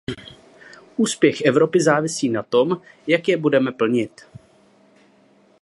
Úspěch Evropy závisí na tom, jak je budeme plnit.